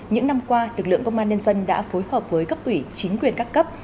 những năm qua lực lượng công an nhân dân đã phối hợp với cấp ủy chính quyền các cấp